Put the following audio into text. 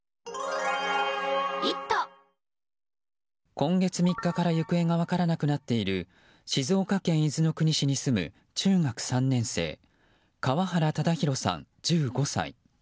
今月３日から行方が分からなくなっている静岡県伊豆の国市に住む中学３年生川原唯滉さん、１５歳。